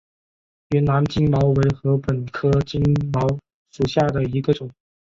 云南金茅为禾本科金茅属下的一个种。